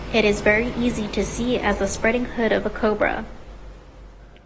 It is very easy to see as the spreading hood of a cobra.